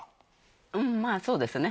うん、まあ、そうですね。